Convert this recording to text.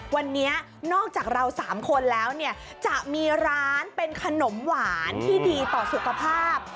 วันนี้นอกจากเรา๓คนแล้วเนี่ยจะมีร้านเป็นขนมหวานที่ดีต่อสุขภาพ